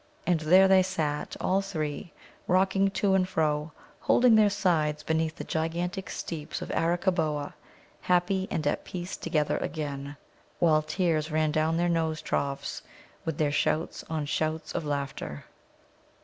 And there they sat all three, rocking to and fro, holding their sides beneath the gigantic steeps of Arakkaboa, happy and at peace together again, while tears ran down their nose troughs, with their shouts on shouts of laughter.